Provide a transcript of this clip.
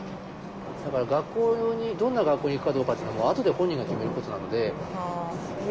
だから学校にどんな学校に行くかどうかっていうのはあとで本人が決めることなので。